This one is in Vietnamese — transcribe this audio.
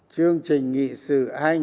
chương trình nghị sự hai nghìn ba mươi